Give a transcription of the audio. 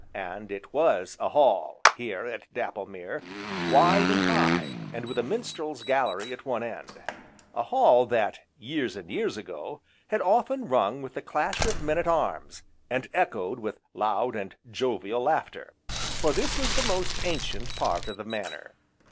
And it was a hall, here, at Dapplemere, wide, and high, and with a minstrel's gallery at one end; a hall that, years and years ago, had often rung with the clash of men at arms, and echoed with loud, and jovial laughter, for this was the most ancient part of the Manor.